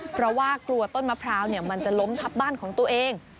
เพราะว่ากลัวต้นมะพร้าวมันจะล้มทับบ้านของตัวเอง